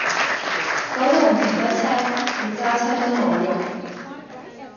嗰度唔停得車，你揸車都冇用